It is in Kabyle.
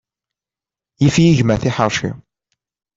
Yif-iyi gma tiḥerci.